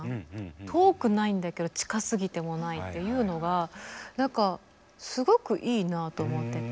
遠くないんだけど近すぎてもないっていうのが何かすごくいいなと思ってて。